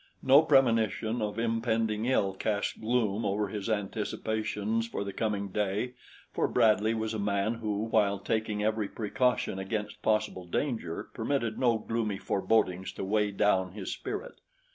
No premonition of impending ill cast gloom over his anticipations for the coming day, for Bradley was a man who, while taking every precaution against possible danger, permitted no gloomy forebodings to weigh down his spirit.